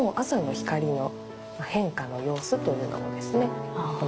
「朝の光の変化の様子」というのをですねあぁ。